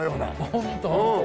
本当。